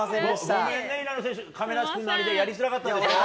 ごめんね、平野選手、亀梨君のあれでやりづらかったでしょう。